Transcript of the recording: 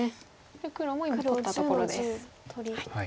黒も今取ったところです。